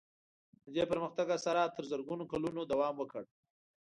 د دې پرمختګ اثرات تر زرګونو کلونو دوام وکړ.